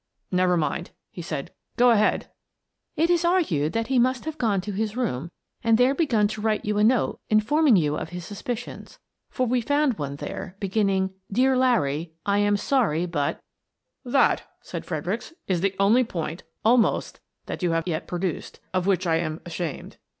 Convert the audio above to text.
" Never mind," he said. " Go ahead." "It is argued that he must have gone to his room and there begun to write you a note informing you of his suspicions, for we found one there, be ginning, ' Dear Larry :— I am sorry, but —'"" That," said Fredericks, " is the only point, al most, that you have yet produced of which I am ashamed.